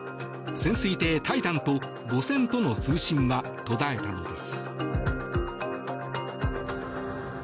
潜水艇「タイタン」と母船との通信は途絶えたのです。